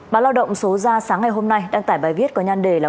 bản lao động số ra sáng ngày hôm nay đăng tải bài viết có nhăn đề là